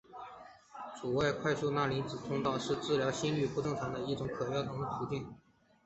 阻碍快速钠阳离子通道是治疗心律不正常的一种可能的途径。